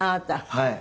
はい。